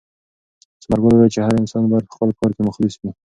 ثمرګل وویل چې هر انسان باید په خپل کار کې مخلص وي.